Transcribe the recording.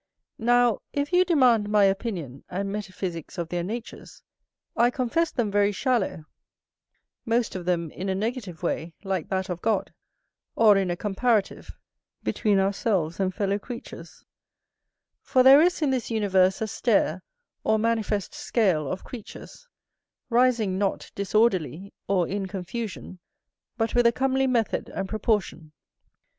Now, if you demand my opinion and metaphysicks of their natures, I confess them very shallow; most of them in a negative way, like that of God; or in a comparative, between ourselves and fellow creatures: for there is in this universe a stair, or manifest scale, of creatures, rising not disorderly, or in confusion, but with a comely method and proportion.